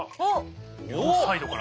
両サイドから。